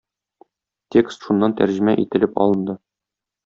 Текст шуннан тәрҗемә ителеп алынды.